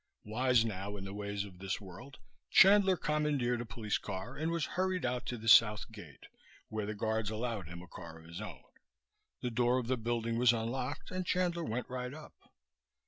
Wise now in the ways of this world, Chandler commandeered a police car and was hurried out to the South Gate, where the guards allowed him a car of his own. The door of the building was unlocked and Chandler went right up.